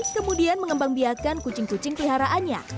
kemudian mengembangbiakan kucing kucing peliharaannya